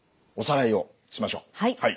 はい。